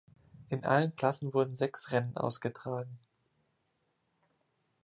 In allen Klassen wurden sechs Rennen ausgetragen.